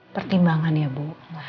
pertimbangan ya bu